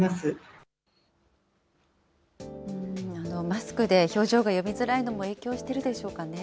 マスクで表情が読みづらいのも影響しているでしょうかね。